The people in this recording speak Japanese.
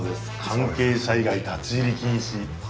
「関係者以外立入禁止」。